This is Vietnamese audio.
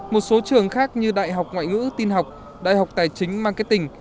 một số trường khác như đại học ngoại ngữ tin học đại học tài chính marketing